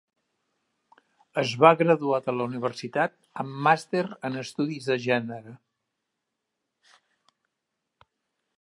Es va graduar de la universitat amb màster en estudis de gènere.